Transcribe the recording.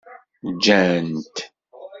Ǧǧan-t.